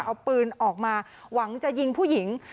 เอาปืนออกมาหวังจะยิงผู้หญิง